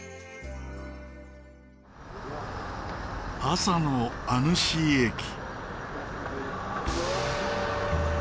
朝のアヌシー駅。